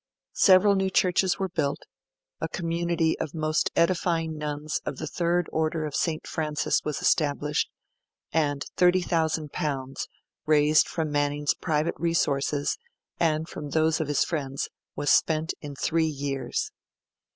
Several new churches were built; a community of most edifying nuns of the Third Order of St. Francis was established; and L30,000, raised from Manning's private resources and from those of his friends, was spent in three years.